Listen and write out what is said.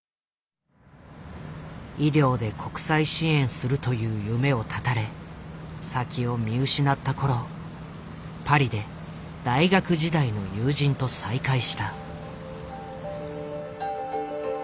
医療で国際支援するという夢を絶たれ先を見失った頃パリで大学時代の友人と再会した。